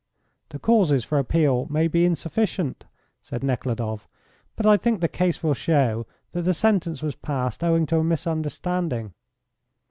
"The causes for appeal may be insufficient," said Nekhludoff, "but I think the case will show that the sentence was passed owing to a misunderstanding."